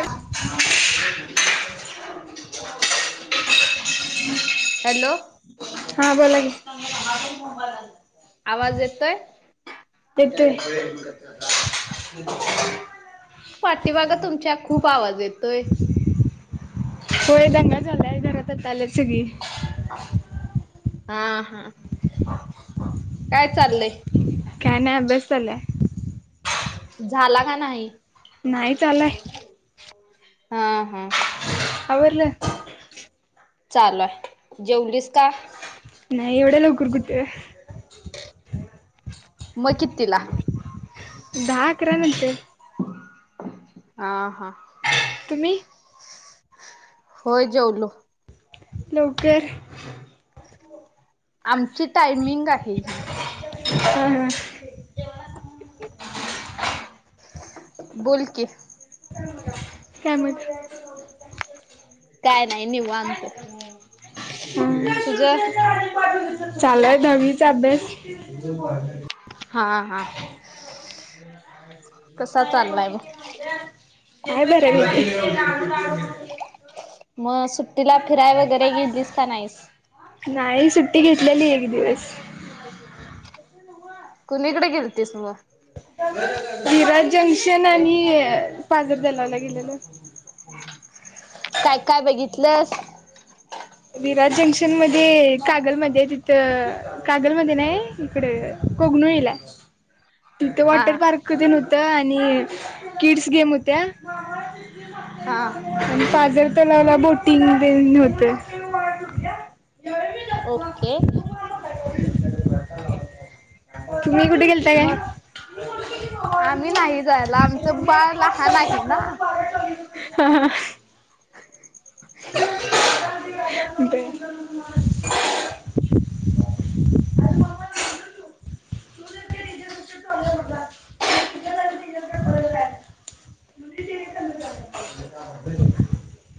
[inaudible] [inaudible] Hello. हा बोला की. आवाज येतोय? येतोय. पाठीमाग तुमच्या खूप आवाज येतोय. होय दंगा झालाय घरात आता आल्यात सगळी. हा हां चाललंय काय नाही अभ्यास चाललाय. झाला का नाही? नाही चाललाय. हा हां आवरलं? चालू हाय जेवलीस का? नाही एवढ्या लवकर कुठ. म कितीला? दहा अकरा नंतर. हा हां तुम्ही... होय जेवलो... लवकर... आमची टायमिंग आहे ही... ह हा.... बोल की... काय माहित... काय नाही निवांत... तुझं.... चालय दहावीचा अभ्यास... हा हा... कसा चाललाय मग... हाय बऱ्यापैकी... मग सुट्टीला फिराय वगैरे गेलीस का नाहीस. नाही सुट्टी घेतलेली एक दिवस... कुणीकडे गेलतीस मग.. वीराज जंक्शन आणि अ पाझर तलावला गेलेलो... काय काय बघितलंस. विराज जंक्शन मध्ये कागलमध्ये आहे तिथं कागलमध्ये नाही इकड... कोगनुळीला आहे.. [unintelligible] तिथे हा वॉटर पार्क तेन होत आणि किड्स गेम होत्या. हा आणि पाझर तलावला बोटिंग तेन होत... म तु घ्या.. ओके... गेलात काय.. मग आम्ही नाही जायला आमचं बाळ लहान आहे ना.. हा हा... बर...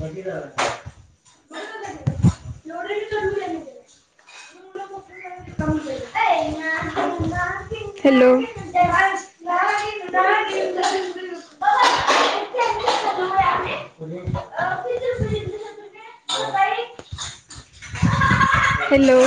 [unintelligible] हॅलो. हॅलो...